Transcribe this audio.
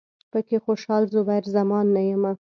پکې خوشال، زبیر زمان نه یمه